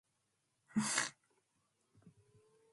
Secainda quiosh